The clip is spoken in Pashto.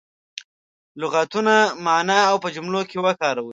لغتونه معنا او په جملو کې وکاروي.